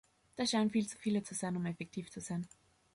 Das scheinen viel zu viele zu sein, um effektiv zu sein.